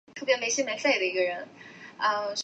大帽山耳草为茜草科耳草属下的一个种。